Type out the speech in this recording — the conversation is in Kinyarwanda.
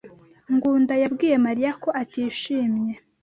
Ngunda yabwiye Mariya ko atishimye.